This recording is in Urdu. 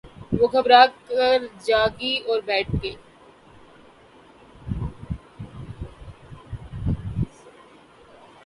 وہ گھبرا کر جاگی اور بیٹھ گئی